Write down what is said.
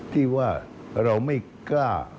ที่ว่าเราไม่กล้า